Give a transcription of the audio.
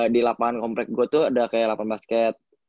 di lapangan komplek gue tuh ada kayak lapangan basket